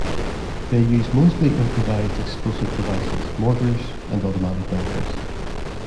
They use mostly improvised explosive devices, mortars, and automatic rifles.